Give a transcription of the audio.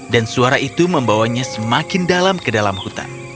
dan suara itu membawanya semakin dalam ke dalam hutan